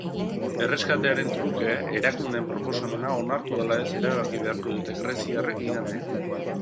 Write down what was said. Erreskatearen truke erakundeen proposamena onartu ala ez erabaki beharko dute greziarrek igandean.